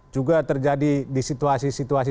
juga terjadi di situasi situasi